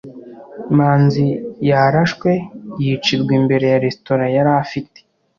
manzi yarashwe yicirwa imbere ya resitora yari afite